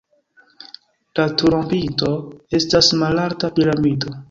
La turopinto estas malalta piramido.